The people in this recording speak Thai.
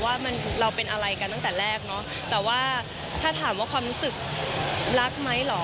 ว่ามันเราเป็นอะไรกันตั้งแต่แรกเนอะแต่ว่าถ้าถามว่าความรู้สึกรักไหมเหรอ